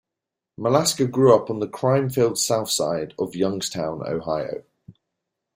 Malaska grew up on the crime filled south side of Youngstown, Ohio.